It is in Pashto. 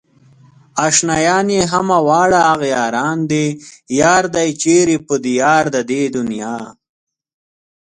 اشنايان يې همه واړه اغياران دي يار دئ چيرې په ديار د دې دنيا